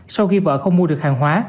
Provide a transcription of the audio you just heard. sau khi vợ không mua được hàng hóa